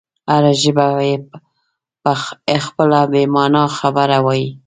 هره ژبه یې خپله بې مانا خبره وایي.